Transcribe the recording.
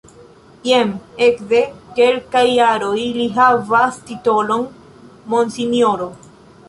Jam ekde kelkaj jaroj li havas titolon "Monsinjoro".